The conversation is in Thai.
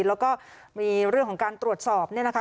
แล้วก็มีเรื่องของการตรวจสอบเนี่ยนะคะ